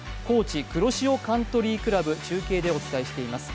Ｋｏｃｈｉ黒潮カントリークラブ、中継でお伝えしています。